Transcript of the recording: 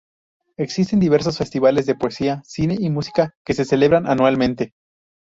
Existen diversos festivales de poesía, cine y música que se celebran anualmente.